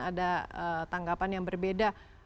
ada tanggapan yang berbeda